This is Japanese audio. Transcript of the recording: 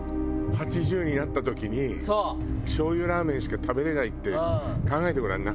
８０になった時に醤油ラーメンしか食べられないって考えてごらんな。